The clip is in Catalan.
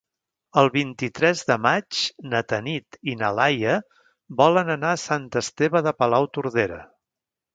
El vint-i-tres de maig na Tanit i na Laia volen anar a Sant Esteve de Palautordera.